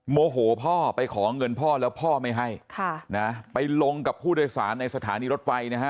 โมโหพ่อไปขอเงินพ่อแล้วพ่อไม่ให้ค่ะนะไปลงกับผู้โดยสารในสถานีรถไฟนะฮะ